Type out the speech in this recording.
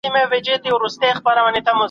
هغوی په زړونو کي کینه نه ساتي.